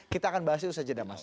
kita akan bahas itu saja dah mas